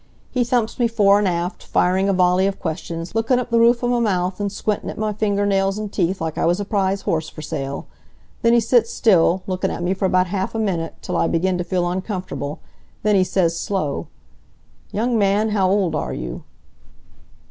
He thumps me fore 'an' aft, firing a volley of questions, lookin' up the roof of m' mouth, and squintin' at m' finger nails an' teeth like I was a prize horse for sale. Then he sits still, lookin' at me for about half a minute, till I begin t' feel uncomfortable. Then he says, slow: 'Young man, how old are you?'